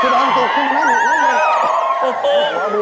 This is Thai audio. คือบางตัวคุ้มกันก็เหมือนกันเลย